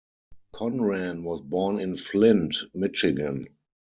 Conran was born in Flint, Michigan.